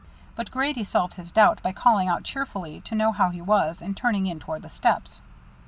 But Grady solved his doubt by calling out cheerfully to know how he was and turning in toward the steps.